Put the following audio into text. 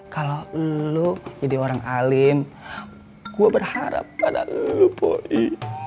kalau lu jadi orang alim gua berharap pada lu po ii